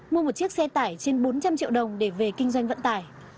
mua một chiếc xe tải trên bốn trăm linh triệu đồng để về kinh doanh vận tải